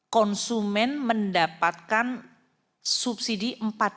konsumen mendapatkan subsidi empat belas dua ratus lima puluh